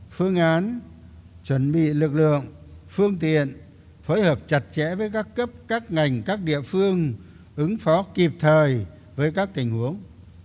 phương án chuẩn bị lực lượng phương tiện phối hợp chặt chẽ với các cấp các ngành các địa phương ứng phó kịp thời với các tình huống